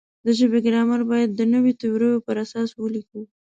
د ژبې ګرامر باید د نویو تیوریو پر اساس ولیکو.